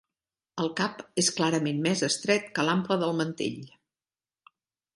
El cap és clarament més estret que l'ample del mantell.